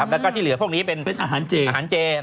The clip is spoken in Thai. แล้วก็ที่เหลือพวกนี้เป็นอาหารเจอาหารเจ